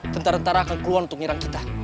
tentara tentara akan keluar untuk nyerang kita